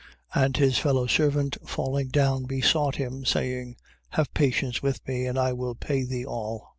And his fellow servant falling down, besought him, saying: Have patience with me, and I will pay thee all.